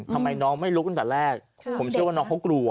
ทำไมน้องไม่ลุกตั้งแต่แรกผมเชื่อว่าน้องเขากลัว